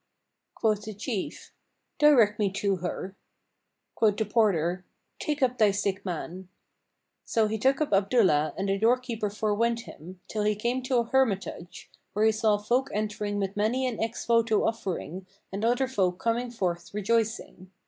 Quoth the chief, "Direct me to her;" quoth the porter, "Take up thy sick man." So he took up Abdullah and the doorkeeper forewent him, till he came to a hermitage, where he saw folk entering with many an ex voto offering and other folk coming forth, rejoicing.